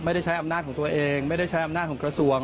ใช้อำนาจของตัวเองไม่ได้ใช้อำนาจของกระทรวง